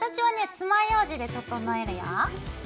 つまようじで整えるよ。